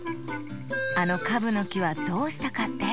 あのカブのきはどうしたかって？